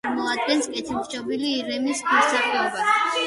წარმოადგენს კეთილშობილი ირემის ქვესახეობას.